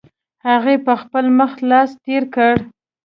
هغې په خپل مخ لاس تېر کړ.